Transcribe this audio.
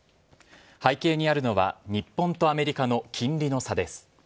背景にあるのは、日本とアメリカの金利の差です。